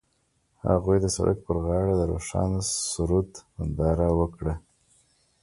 هغوی د سړک پر غاړه د روښانه سرود ننداره وکړه.